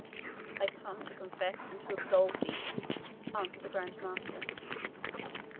"I come to confess and to absolve thee," answered the Grand Master.